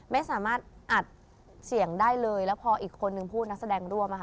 ไม่สามารถอัดเสียงได้เลยแล้วพออีกคนนึงพูดนักแสดงร่วมอะค่ะ